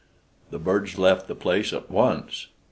The birds left the place at once.